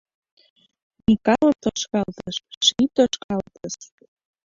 Микалын тошкалтыш — ший тошкалтыш